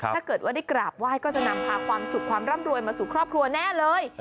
ถ้าเกิดว่าได้กราบไหว้ก็จะนำพาความสุขความร่ำรวยมาสู่ครอบครัวแน่เลย